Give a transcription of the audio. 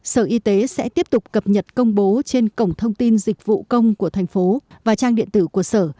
sở y tế sẽ tiếp tục cập nhật công bố trên cổng thông tin dịch vụ công của thành phố và trang điện tử của sở